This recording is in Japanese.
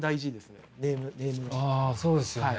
あそうですよね。